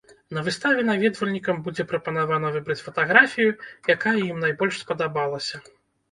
На выставе наведвальнікам будзе прапанавана выбраць фатаграфію, якая ім найбольш спадабалася.